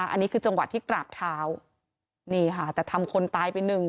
อันนี้คือจังหวะที่กราบเท้านี่ค่ะแต่ทำคนตายไปหนึ่ง